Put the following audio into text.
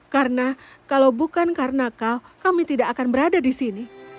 karena kalau bukan karena kau kami tidak akan berada di sini